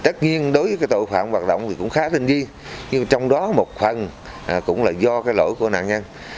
tất nhiên đối với tội phạm hoạt động cũng khá tinh viên nhưng trong đó một phần cũng là do lỗi của nạn nhân